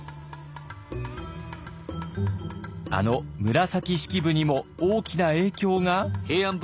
あの紫式部にも大きな影響が？